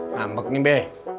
ngambek nih be